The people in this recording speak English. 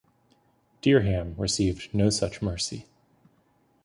Dereham received no such mercy.